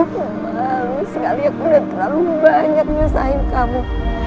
aku malu sekali aku udah terlalu banyak nyesahin kamu